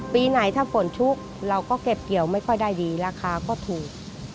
ปีไหนถ้าฝนชุกเราก็เก็บเกี่ยวไม่ค่อยได้ดีราคาก็ถูก